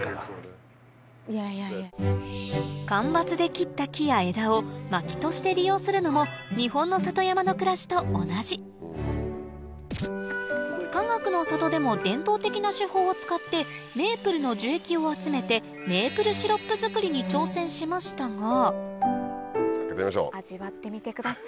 間伐で切った木や枝を薪として利用するのも日本の里山の暮らしと同じかがくの里でも伝統的な手法を使ってメープルの樹液を集めてメープルシロップ作りに挑戦しましたが味わってみてください。